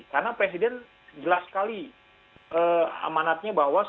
karena presiden jelas sekali amanatnya bahwa sebelumnya